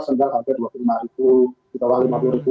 seandainya sampai dua puluh lima ribu di bawah lima puluh ribu